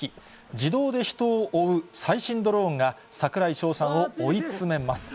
自動で人を追う最新ドローンが、櫻井翔さんを追い詰めます。